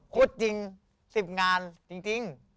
จริง๑๐งานจริง